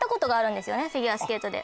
フィギュアスケートで。